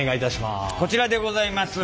こちらでございます。